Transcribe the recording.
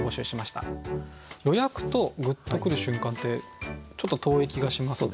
「予約」と「グッとくる瞬間」ってちょっと遠い気がしますが。